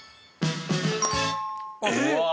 うわ！